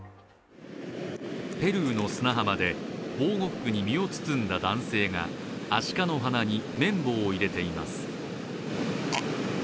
ペルーの砂浜で、防護服に身を包んだ男性がアシカの鼻に綿棒を入れています。